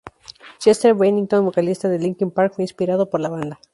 Chester Bennington, vocalista de Linkin Park, fue inspirado por la banda.